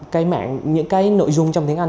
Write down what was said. cái mạng những cái nội dung trong tiếng anh